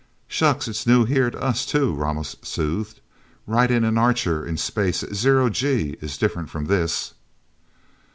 "Shucks it's new here to us, too," Ramos soothed. "Riding an Archer in space, at zero G, is different from this..."